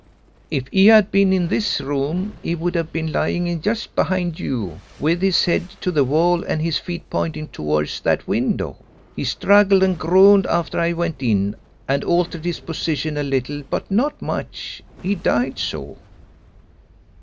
"If he had been in this room he would have been lying just behind you, with his head to the wall and his feet pointing towards that window. He struggled and groaned after I went in, and altered his position a little, but not much. He died so."